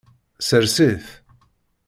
Sers-it.